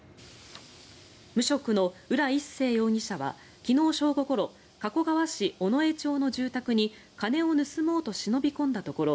無職の浦一生容疑者は昨日正午ごろ加古川市尾上町の住宅に金を盗もうと忍び込んだところ